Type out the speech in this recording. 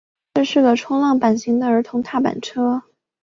这个是冲浪板型的儿童踏板车。